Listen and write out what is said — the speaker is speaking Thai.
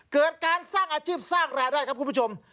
เกิดการสร้างอาชีพสร้างรายได้ครับคุณผู้ชม